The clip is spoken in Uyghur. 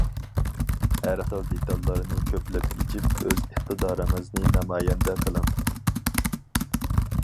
ھەر خىل دېتاللارنى كۆپلەپ ئېچىپ ئۆز ئىقتىدارىڭىزنى نامايەندە قىلىڭ.